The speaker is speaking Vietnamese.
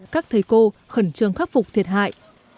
các thầy cô khẩn trương khắc phục thiệt hại